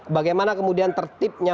bagaimana kemudian tertibnya